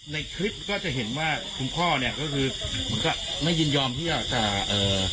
ในคลิปก็จะเห็นว่าคุณพ่อเนี่ยก็คือเหมือนก็ไม่ยินยอมที่จะเอ่อ